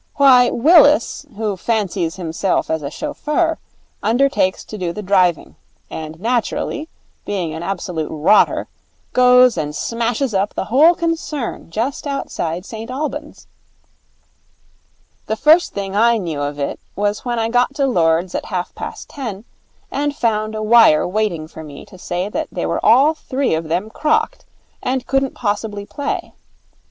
Why, Willis, who fancies himself as a chauffeur, undertakes to do the driving; and naturally, being an absolute rotter, goes and smashes up the whole concern just outside St Albans. The first thing I knew of it was when I got to Lord's at half past ten, and found a wire waiting for me to say that they were all three of them crocked, and couldn't possibly play.